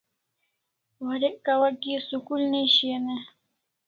Warek kawa kia school ne shian e?